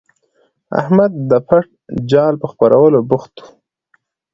احمد د پټ جال په خپرولو بوخت وو.